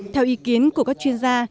theo ý kiến của các chuyên gia